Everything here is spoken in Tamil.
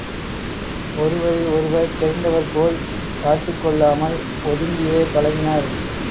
ஒருவரை ஒருவர் தெரிந்தவர்போல் காட்டிக்கொள் ளாமல் ஒதுங்கியே பழகினர்.